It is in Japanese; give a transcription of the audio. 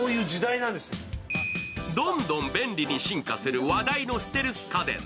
どんどん便利に進化する話題のステルス家電。